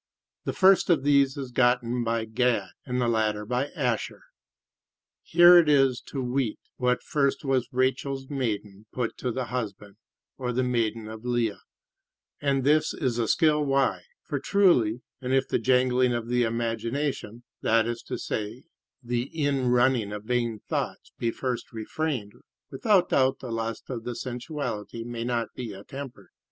The first of these is gotten by Gad and the latter by Asher. Here it is to wete that first was Rachel's maiden put to the husband or the maiden of Leah; and this is the skill why. For truly, but if the jangling of the imagination, that is to say, the in running of vain thoughts, be first refrained, without doubt the lust of the sensuality may not be attempered.